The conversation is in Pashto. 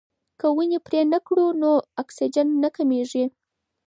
که ونې پرې نه کړو نو اکسیجن نه کمیږي.